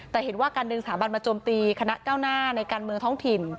แต่เห็นว่าการดึงสถาบันมาโจมตีคณะก้าวหน้าในการเมืองท้องถิ่น